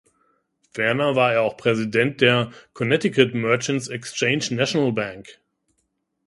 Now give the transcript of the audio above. Ferner war er auch Präsident der "Connecticut Merchants Exchange National Bank".